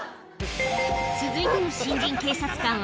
続いての新人警察官は。